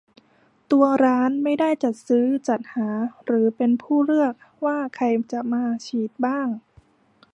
ตัวร้านไม่ได้จัดซื้อจัดหาหรือเป็นผู้เลือกว่าใครจะมาฉีดบ้าง